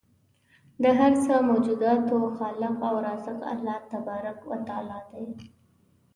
د هر څه موجوداتو خالق او رازق الله تبارک و تعالی دی